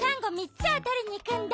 つをとりにいくんだ。